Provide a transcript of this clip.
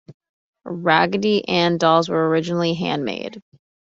Raggedy Ann dolls were originally handmade.